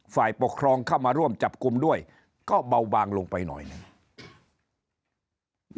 ฝ่ายปกครองเข้ามาร่วมจับกลุ่มด้วยก็เบาบางลงไปหน่อยหนึ่ง